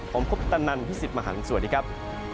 ผมพุทธนันทร์พิสิทธิ์มหาลังค์สวัสดีครับ